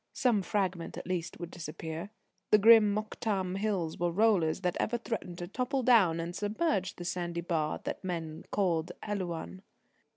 Some fragment, at least, would disappear. The grim Mokattam Hills were rollers that ever threatened to topple down and submerge the sandy bar that men called Helouan.